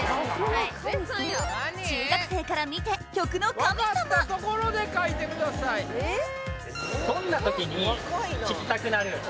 はい中学生から見て分かったところで書いてくださいえっ？